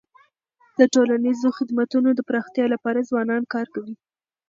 د ټولنیزو خدمتونو د پراختیا لپاره ځوانان کار کوي.